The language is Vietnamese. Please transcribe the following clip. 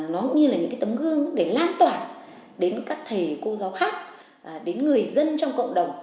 nó cũng như là những cái tấm gương để lan tỏa đến các thầy cô giáo khác đến người dân trong cộng đồng